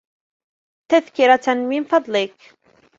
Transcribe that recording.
تذكرة من فضلك.